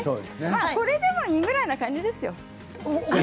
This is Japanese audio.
これでもいいぐらいな感じですよ。